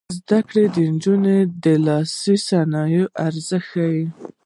زده کړه نجونو ته د لاسي صنایعو ارزښت ښيي.